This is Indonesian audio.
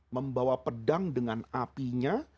membawa pedang dengan apinya